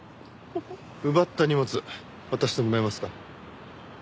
奪った荷物渡してもらえますか？